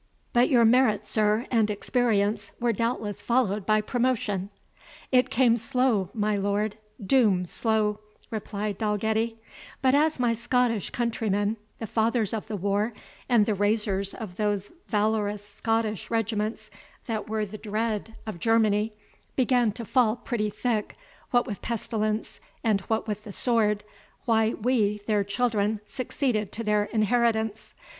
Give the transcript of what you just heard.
"But your merit, sir, and experience, were doubtless followed by promotion?" "It came slow, my lord, dooms slow," replied Dalgetty; "but as my Scottish countrymen, the fathers of the war, and the raisers of those valorous Scottish regiments that were the dread of Germany, began to fall pretty thick, what with pestilence and what with the sword, why we, their children, succeeded to their inheritance.